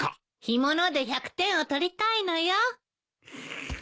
干物で１００点を取りたいのよ。